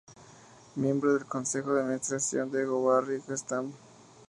Miembro del consejo de Administración de Gonvarri-Gestamp.